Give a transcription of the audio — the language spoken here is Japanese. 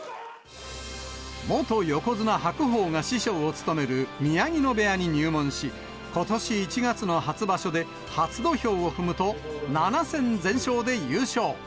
元横綱・白鵬が師匠を務める宮城野部屋に入門し、ことし１月の初場所で初土俵を踏むと、７戦全勝で優勝。